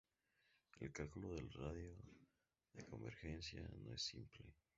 El cálculo del radio de convergencia no es simple.